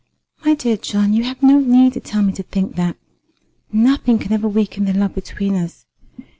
"My dear John, you have no need to tell me to think that. Nothing can ever weaken the love between us.